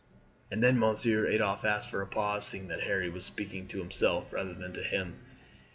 "And then, monsieur?" Adolphe asked after a pause, seeing that Harry was speaking to himself rather than to him.